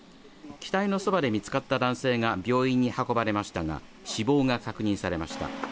機体のそばで見つかった男性が病院に運ばれましたが死亡が確認されました